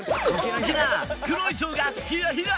大きな黒いチョウがヒラヒラ！